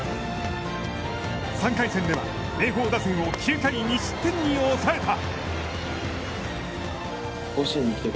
３回戦では、明豊打線を９回２失点に抑えた。